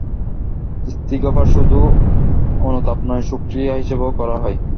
ইস্তিগফার শুধু অনুতাপ নয়, শোকরিয়া হিসেবেও করা হয়।